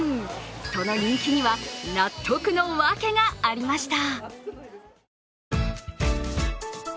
その人気には、納得のワケがありました。